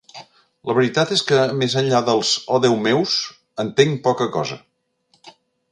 La veritat és que, més enllà dels oh-Déu-meus, entenc poca cosa.